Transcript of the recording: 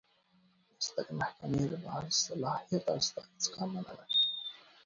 د سترې محکمې باصلاحیته استازی